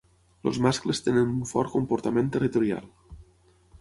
Els mascles tenen un fort comportament territorial.